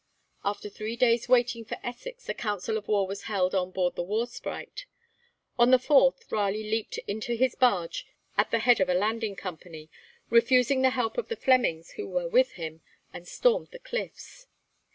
After three days' waiting for Essex, a council of war was held on board the 'War Sprite.' On the fourth Raleigh leaped into his barge at the head of a landing company, refusing the help of the Flemings who were with him, and stormed the cliffs.